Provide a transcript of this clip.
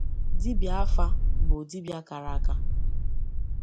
Dibịa afa bụ dibịa kara aka